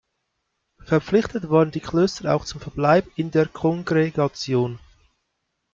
Verpflichtet waren die Klöster auch zum Verbleib in der Kongregation.